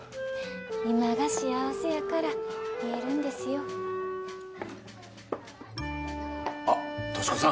今が幸せやから言えるんですよ俊子さん